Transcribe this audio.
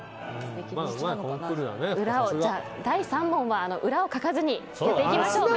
第３問は裏をかかずにいきましょう。